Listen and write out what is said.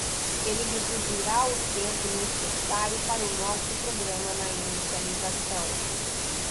Ele reduzirá o tempo necessário para o nosso programa na inicialização.